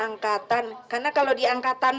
angkatan karena kalau di angkatan